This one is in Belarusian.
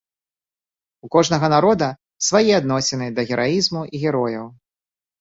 У кожнага народа свае адносіны да гераізму і герояў.